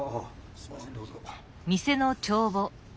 すみませんどうぞ。